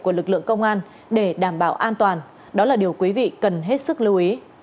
của lực lượng công an để đảm bảo an toàn đó là điều quý vị cần hết sức lưu ý